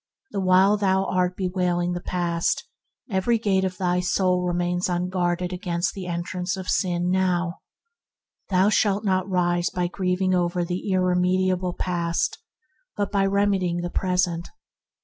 The while thou art bewail ing the past every gate of thy soul remaineth unguarded against the entrance of sin now. Thou shalt not rise by grieving over the irre mediable past, but by remedying the present.